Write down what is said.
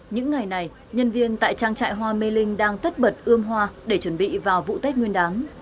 những ngày này nhân viên tại trang trại hoa mê linh đang tất bật ươm hoa để chuẩn bị vào vụ tết nguyên đán